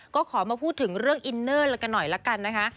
ก็ขอมาพูดถึงเรื่องอินเนอร์กันหน่อยละกันนะคะ